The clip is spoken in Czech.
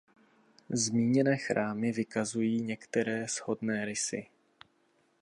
Zmíněné chrámy vykazují některé shodné rysy.